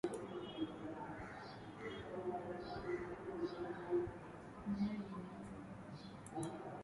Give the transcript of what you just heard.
ya waathirika wa tukio la ugaidi kwenye Balozi